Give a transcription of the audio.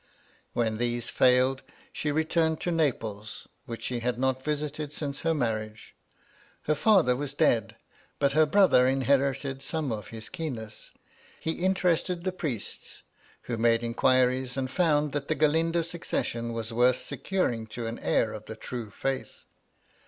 When these failed, she returned to Naples, which she had not visited dnce her marriage. Her father was dead ; but her brother inherited some of his keenness. He inter ested the priests, who made inquiries and found that the Galindo succession was worth securing to an heir of the true faith.